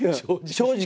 正直。